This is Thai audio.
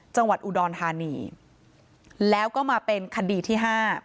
จังหวัดอุดรธานีแล้วก็มาเป็นคดีที่๕